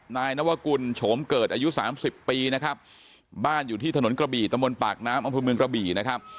นายนวกุลโฉมเกิดอายุสามสิบปีนะครับบ้านอยู่ที่ถนนกระบี่ตะมนต์ปากน้ำอำเภอเมืองกระบี่นะครับ